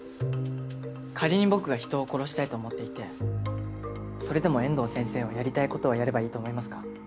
仮に僕が人を殺したいと思っていてそれでも遠藤先生はやりたいことをやればいいと思いますか？